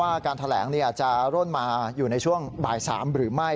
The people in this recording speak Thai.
ว่าการแถลงจะร่นมาอยู่ในช่วงบ่าย๓หรือไม่